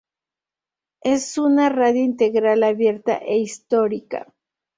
Es una radio integral, abierta e histórica.